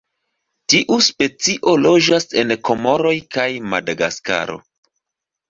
Tiu specio loĝas en Komoroj kaj Madagaskaro.